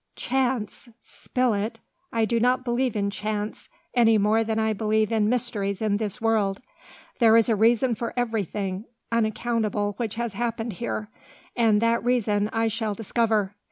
"Chance! Spilett! I do not believe in chance, any more than I believe in mysteries in this world. There is a reason for everything unaccountable which has happened here, and that reason I shall discover.